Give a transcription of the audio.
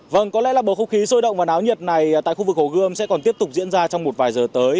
vâng có lẽ là bộ khúc khí sôi động và náo nhiệt này tại khu vực hồ gươm sẽ còn tiếp tục diễn ra trong một vài giờ tới